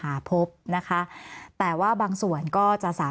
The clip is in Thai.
มีความรู้สึกว่าเสียใจ